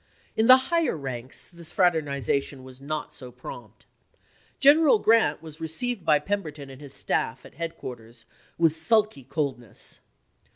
In the higher ranks this fraternization was not so prompt. General Grant was received by Pemberton and his staff, at headquarters, with sulky coldness.